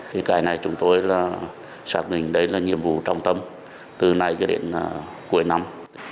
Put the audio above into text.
thì cái này chúng tôi xác định là nhiệm vụ trong tâm từ nay đến cuối năm